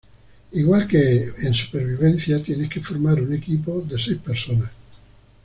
Igual que en supervivencia tienes que formar un equipo de seis personas.